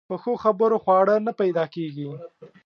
په ښو خبرو خواړه نه پیدا کېږي.